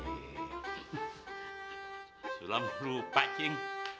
sudah lama lupa cing